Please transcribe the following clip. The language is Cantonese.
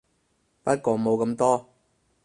不過冇咁多